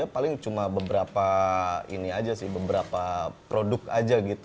paling cuma beberapa ini aja sih beberapa produk aja gitu